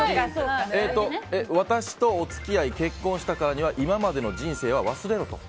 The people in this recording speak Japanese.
私とお付き合い、結婚したからには今までの人生は忘れろと？